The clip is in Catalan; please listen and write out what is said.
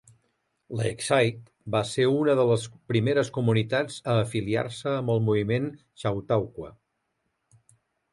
Lakeside va ser una de les primeres comunitats a afiliar-se amb el moviment Chautauqua.